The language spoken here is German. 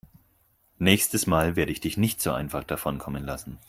Nächstes Mal werde ich dich nicht so einfach davonkommen lassen.